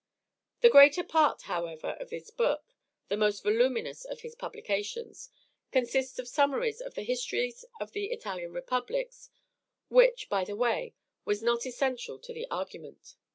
The greater part, however, of this book the most voluminous of his publications consists of summaries of the histories of the Italian republics, which, by the way, was not essential to the argument.